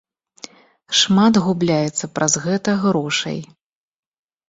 Шмат губляецца праз гэта грошай.